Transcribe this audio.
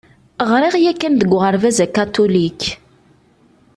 Ɣriɣ yakan deg uɣerbaz akatulik.